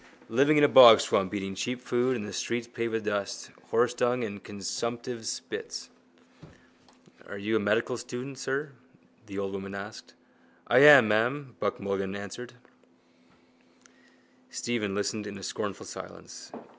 Living in a bogswamp, eating cheap food and the streets paved with dust, horsedung and consumptives' spits. —Are you a medical student, sir? the old woman asked. —I am, ma'am, Buck Mulligan answered. —Look at that now, she said. Stephen listened in scornful silence.